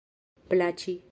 plaĉi